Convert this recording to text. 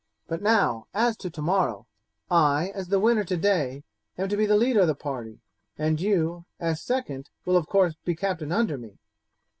But now as to tomorrow. I, as the winner today, am to be the leader of the party, and you, as second, will of course be captain under me.